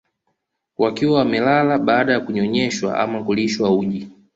Wakiwa wamelala baada ya kunyonyeshwa ama kulishwa uji